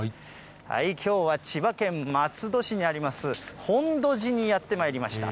きょうは千葉県松戸市にあります、本土寺にやって参りました。